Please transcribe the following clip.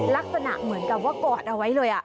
ลักษณะเหมือนกับว่ากอดเอาไว้เลย